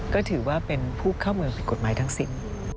ก็ถือว่าเป็นผู้เข้าเมืองผิดกฎหมายทั้งสิ้น